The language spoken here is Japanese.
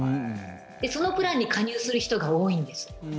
で、そのプランに加入する人が多いんです。